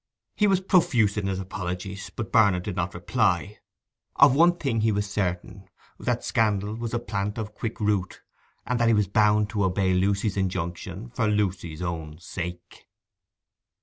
He was profuse in his apologies, but Barnet did not reply. Of one thing he was certain—that scandal was a plant of quick root, and that he was bound to obey Lucy's injunction for Lucy's own sake.